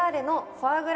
フォアグラ？